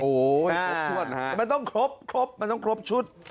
โอ้โฮโอ๊ยครบก่อนค่ะมันต้องครบครบมันต้องครบชุด